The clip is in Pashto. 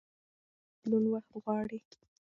ټولنیز بدلون وخت غواړي.